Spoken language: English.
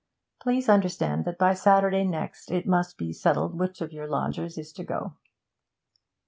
Please understand that by Saturday next it must be settled which of your lodgers is to go.'